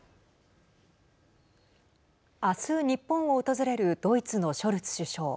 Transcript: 明日、日本を訪れるドイツのショルツ首相。